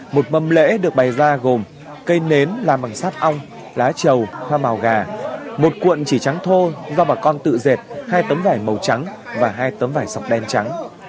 một mầm lễ được bày ra gồm cây nến làm bằng sắt ong lá trầu hoa màu gà một cuộn chỉ trắng thô do bà con tự dệt hai tấm vải màu trắng và hai tấm vải sọc đen trắng